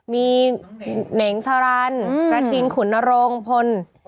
มีเหน่งสรันแบทีนขุนนรงพล